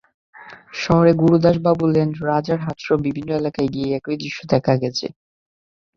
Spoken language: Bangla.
শহরের গুরুদাস বাবু লেন, রাজারহাটসহ বিভিন্ন এলাকায় গিয়ে একই দৃশ্য দেখা গেছে।